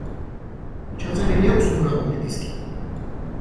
ჩაწერილი აქვს მრავალი დისკი.